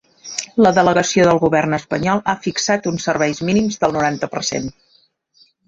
La delegació del govern espanyol ha fixat uns serveis mínims del noranta per cent.